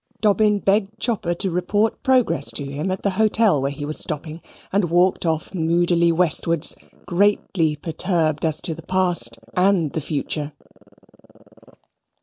Dobbin begged Chopper to report progress to him at the hotel where he was stopping, and walked off moodily westwards, greatly perturbed as to the past and the future.